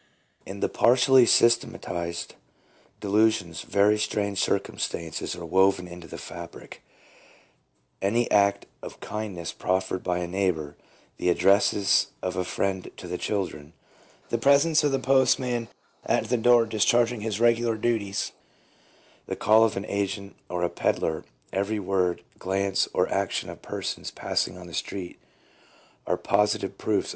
In the partially systematized delusions very strange circumstances are woven into the fabric ; any act of kindness proffered by a neighbour, the addresses of a friend to the children, the presence of the postman at the door discharging his regular duties, the call of an agent or a pedlar, every word, glance, or action ot persons passing on the street are positive proofs of 1 A.